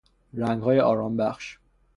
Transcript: رنگهای آرامبخش